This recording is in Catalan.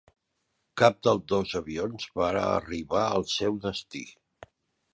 Cap dels dos avions van arribar al seu destí.